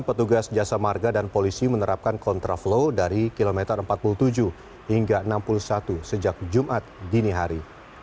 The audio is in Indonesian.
petugas jasa marga dan polisi menerapkan kontraflow dari kilometer empat puluh tujuh hingga enam puluh satu sejak jumat dini hari